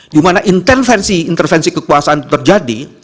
dimana intervensi intervensi kekuasaan itu terjadi